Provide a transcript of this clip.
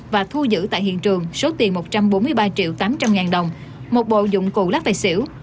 và thu giữ tại hiện trường số tiền một trăm bốn mươi ba triệu tám trăm linh ngàn đồng một bộ dụng cụ lắc tài xỉu